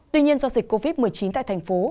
tuy nhiên do dịch covid một mươi chín tại thành phố